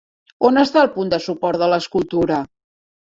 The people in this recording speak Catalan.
On està el punt de suport de l'escultura?